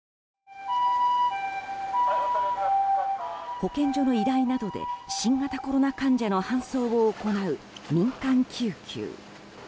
保健所の依頼などで新型コロナ患者の搬送を行う民間救急。